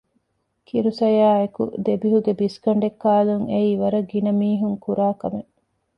ކިރު ސަޔާއެކު ދެބިހުގެ ބިސްގަނޑެއް ކާލުން އެއީ ވަރަށް ގިނަމީހުން ކުރާކަމެއް